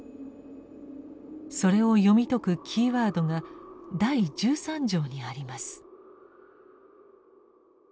それを読み解くキーワードが第十三条にあります。